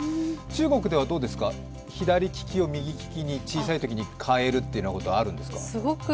中国ではどうですか、左利きを右利きに小さいときに変えるということはあるんですか？